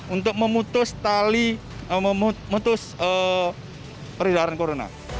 untuk memutus tali memutus peredaran corona